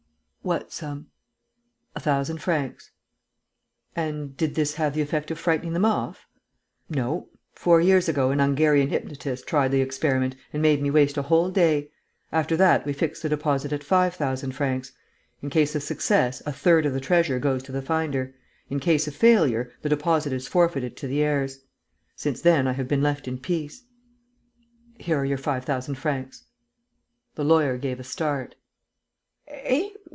"What sum?" "A thousand francs." "And did this have the effect of frightening them off?" "No. Four years ago, an Hungarian hypnotist tried the experiment and made me waste a whole day. After that, we fixed the deposit at five thousand francs. In case of success, a third of the treasure goes to the finder. In case of failure, the deposit is forfeited to the heirs. Since then, I have been left in peace." "Here are your five thousand francs." The lawyer gave a start: "Eh?